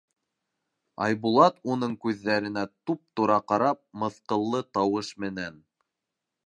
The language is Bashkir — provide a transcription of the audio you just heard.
Айбулат, уның күҙҙәренә туп-тура ҡарап, мыҫҡыллы тауыш менән: